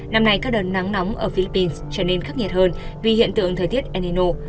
năm nay các đợt nắng nóng ở philippines trở nên khắc nhiệt hơn vì hiện tượng thời tiết el nino